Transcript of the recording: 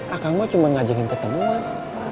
akang mah cuma ngajakin ketemu mak